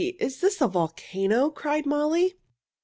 Is this a volcano?" cried Molly.